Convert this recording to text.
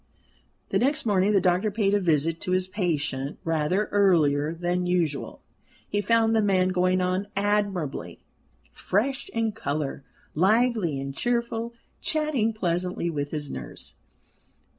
The next morning the doctor paid a visit to his patient rather earlier than usual. He found the man going on admirably: fresh in colour, lively and cheerful, chatting pleasantly with his nurse.